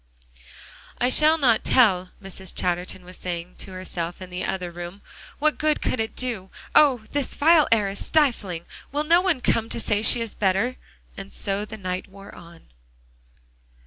"I shall not tell," Mrs. Chatterton was saying to herself in the other room; "what good could it do? Oh! this vile air is stifling. Will no one come to say she is better?" And so the night wore on.